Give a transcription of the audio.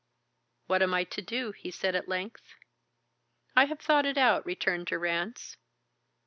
"What am I to do?" he said at length. "I have thought it out," returned Durrance.